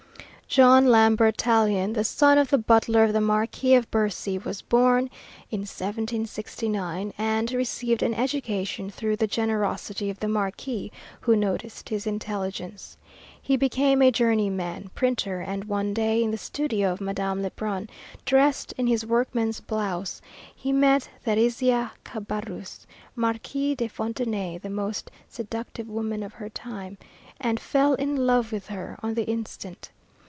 John Lambert Tallien, the son of the butler of the Marquis of Bercy, was born in 1769, and received an education through the generosity of the marquis, who noticed his intelligence. He became a journeyman printer, and one day in the studio of Madame Lebrun, dressed in his workman's blouse, he met Thérézia Cabarrus, Marquise de Fontenay, the most seductive woman of her time, and fell in love with her on the instant.